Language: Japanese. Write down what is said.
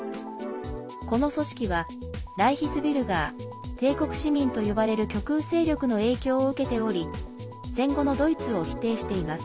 この組織は、ライヒスビュルガー帝国市民と呼ばれる極右勢力の影響を受けており戦後のドイツを否定しています。